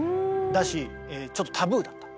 だしちょっとタブーだった。